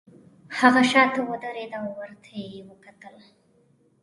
هغه شاته ودریده او ورته یې وکتل